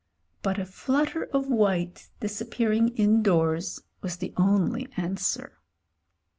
But a flutter of white disappearing indoors was the only answer.